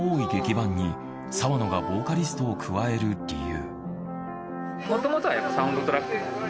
伴に澤野がボーカリストを加える理由。